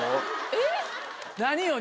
えっ？何よ？